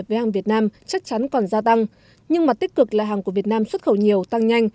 với hàng việt nam chắc chắn còn gia tăng nhưng mặt tích cực là hàng của việt nam xuất khẩu nhiều tăng nhanh